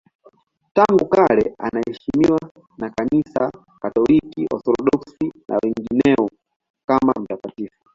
Tangu kale anaheshimiwa na Kanisa Katoliki, Waorthodoksi na wengineo kama mtakatifu.